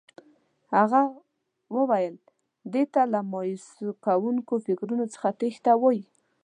هغه وویل دې ته له مایوسوونکو فکرو څخه تېښته وایي.